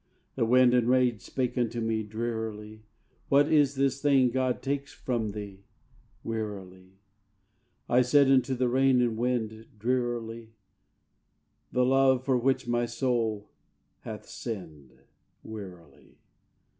The wind and rain spake unto me, Drearily: "What is this thing God takes from thee?" (Wearily.) I said unto the rain and wind, Drearily: "The love, for which my soul hath sinned." (Wearily.)